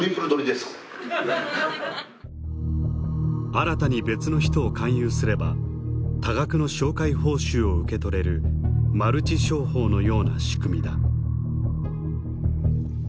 新たに別の人を勧誘すれば多額の紹介報酬を受け取れるマルチ商法のような仕組みだ。